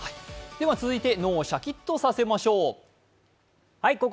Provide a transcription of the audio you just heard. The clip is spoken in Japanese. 続いて、脳をシャキッとさせましょう。